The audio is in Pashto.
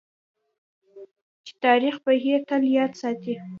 چې تاریخ به یې تل یاد ساتي.